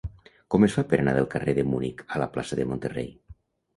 Com es fa per anar del carrer de Munic a la plaça de Monterrey?